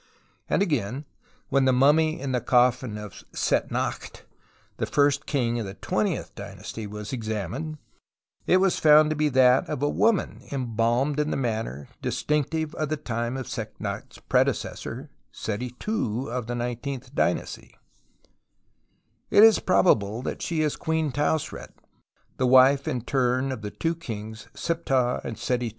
And again, when tlie mummy in the coffin of Setnakht (the first king of the twentieth dynasty) was examined, it was found to be that of a woman embalmed in the manner distinctive of the time of Setnakht's pre decessor (Seti II, of the nineteenth dynasty) ; and it is probable that she is Queen Tausret, the wife in turn of the two kings, Siptah and Seti II.